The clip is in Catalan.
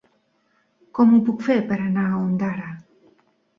Com ho puc fer per anar a Ondara?